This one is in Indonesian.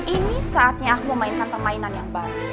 ini saatnya aku memainkan permainan yang baru